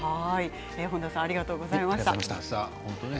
本多さんありがとうございました。